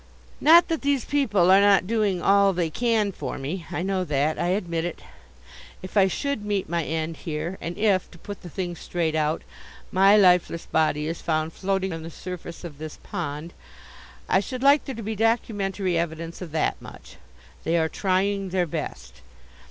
Not that these people are not doing all they can for me. I know that. I admit it. If I should meet my end here and if to put the thing straight out my lifeless body is found floating on the surface of this pond, I should like there to be documentary evidence of that much. They are trying their best.